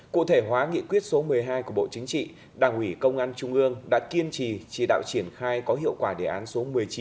cụ thể hóa nghị quyết số một mươi hai của bộ chính trị đảng ủy công an trung ương đã kiên trì chỉ đạo triển khai có hiệu quả đề án số một mươi chín